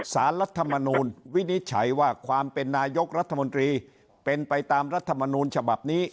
สารรัฐมนูลวินิจฉัยว่าความเป็นนายกรัฐมนตรีเป็นไปตามรัฐมนูลฉบับนี้